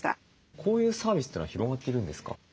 こういうサービスというのは広がっているんですか？